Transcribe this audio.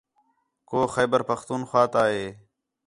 کُو خیبر پختونخواہ تا ہے